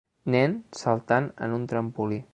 Nen saltant en un trampolí